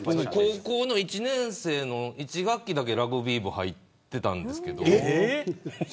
高校の１年生の１学期だけラグビー部入っていたんですけど。